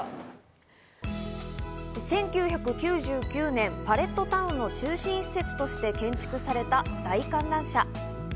１９９９年、パレットタウンの中心施設として建築された大観覧車。